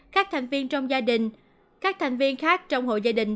các thành viên trong gia đình các thành viên khác trong hội gia đình